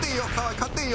勝っていいよ。